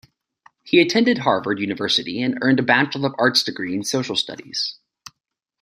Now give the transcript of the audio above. He attended Harvard University and earned a Bachelor of Arts degree in Social Studies.